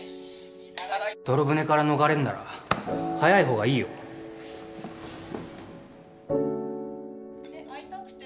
泥船から逃れるなら早いほうがいいよ「会いたくて」